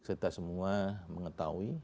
kita semua mengetahui